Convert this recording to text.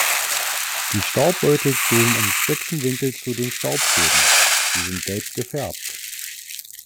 Die Staubbeutel stehen im spitzen Winkel zu den Staubfäden, sie sind gelb gefärbt.